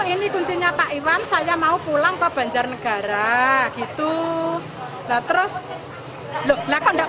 ini kuncinya pak iwan saya mau pulang ke banjarnegara gitu nah terus loh kok enggak